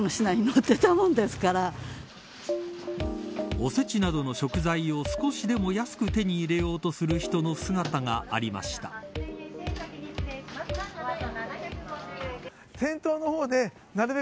おせちなどの食材を少しでも安く手に入れようとする人の姿がありました。